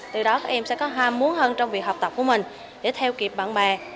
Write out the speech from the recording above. từ đó các em sẽ có ham muốn hơn trong việc học tập của mình để theo kịp bạn bè